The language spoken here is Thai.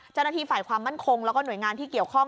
เจ้าหน้าที่ฝ่ายความมั่นคงแล้วก็หน่วยงานที่เกี่ยวข้อง